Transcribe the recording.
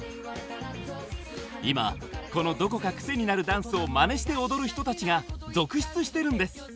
今このどこか癖になるダンスをまねして踊る人たちが続出してるんです。